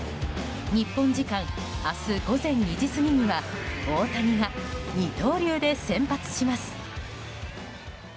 日本時間明日午前２時過ぎには大谷が二刀流で先発します。